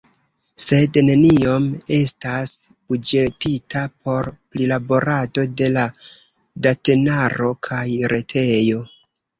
Sed neniom estas buĝetita por prilaborado de la datenaro kaj retejo.